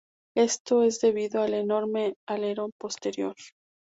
Esto es debido al enorme alerón posterior.